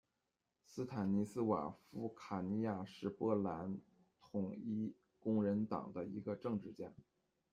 斯坦尼斯瓦夫·卡尼亚是波兰统一工人党的一个政治家。